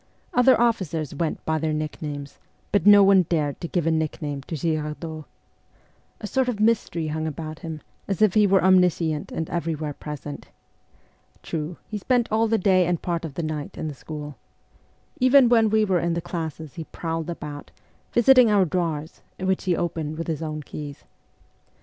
Other officers went by their nicknames, but no one dared to give a nickname to Girardot. A sort of mystery hung about him, as if he were omniscient and everywhere present. True, he spent all the day and part of the night in the school. Even when we were in the classes he prowled about, visiting our drawers, which he opened with his own keys.